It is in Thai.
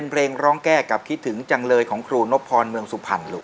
เออคิดถึงจังเลยของครูนพรเมืองสุภัณฑ์ลูก